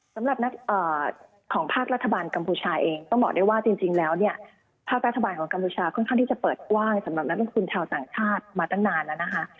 สำหรับของภาครัฐบาลกัมพูชาเองต้องบอกได้ว่าจริงแล้วเนี่ยภาครัฐบาลของกัมพูชาค่อนข้างที่จะเปิดกว้างสำหรับนักลงทุนชาวต่างชาติมาตั้งนานแล้วนะคะ